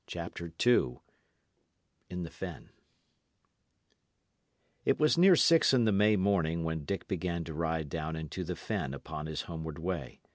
CHAPTER II IN THE FEN It was near six in the May morning when Dick began to ride down into the fen upon his homeward way.